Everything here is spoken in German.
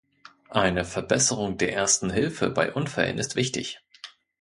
Eine Verbesserung der Ersten Hilfe bei Unfällen ist wichtig.